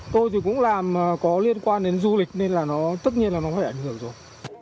tôi thì cũng làm có liên quan đến du lịch nên là nó tất nhiên là nó phải ảnh hưởng rồi